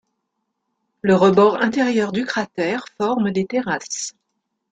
Le rebord intérieur du cratère forme des terrasses.